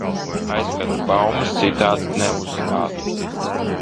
Aizkadra baumas citādi neuzzinātu.